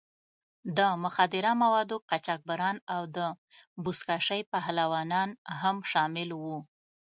د مخدره موادو قاچاقبران او د بزکشۍ پهلوانان هم شامل وو.